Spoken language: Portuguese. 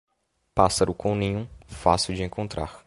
Pássaro com ninho, fácil de encontrar.